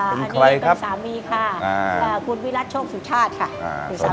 อันนี้เป็นสามีค่ะคุณวิรัติโชคสุชาติค่ะ